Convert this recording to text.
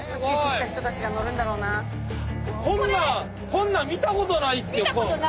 こんなん見たことないっすよ。